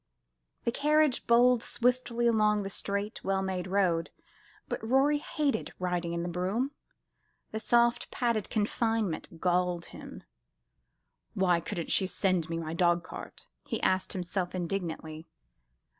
The carriage bowled swiftly along the straight, well made road, but Rorie hated riding in a brougham. The soft padded confinement galled him. "Why couldn't she send me my dog cart?" he asked himself indignantly.